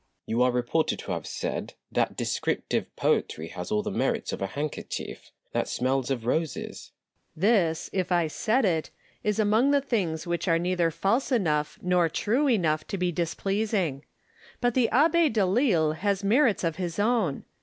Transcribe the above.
Delille. You are reported to have said that descriptive 168 IMAGINARY CONVERSATIONS. poetry has all the merits of a handkerchief that smells of roses ? Landor. This, if I said it, is among the things which are neither false enough nor true enough to be displeasing. But the Abb6 Delille has merits of his own.